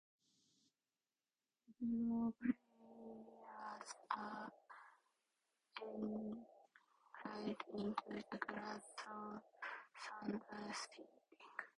Hebrew prayers are engraved into the glass through sandblasting.